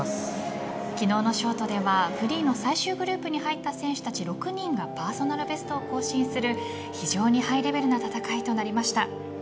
昨日のショートではフリーの最終グループに入った選手たち６人がパーソナルベストを更新する非常にハイレベルな戦いとなりました。